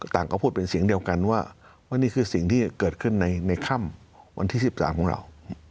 ก็พูดเป็นเสียงเดียวกันว่าว่านี่คือสิ่งที่เกิดขึ้นในค่ำวันที่๑๓ของเรา